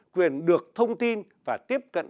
quyền được thông tin và tiếp cận